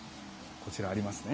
こちらありますね。